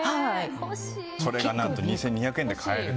それが何と２２００円で買える。